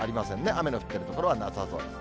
雨の降ってる所はなさそうです。